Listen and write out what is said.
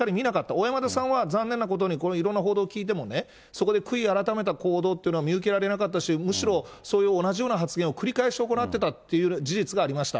小山田さんは、残念なことに、これ、いろんな報道を聞いてもね、そこで悔い改めた行動っていうのは見受けられなかったし、むしろそういう同じような発言を繰り返し行ってたっていう事実がありました。